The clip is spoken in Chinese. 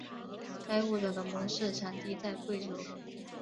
该物种的模式产地在贵州。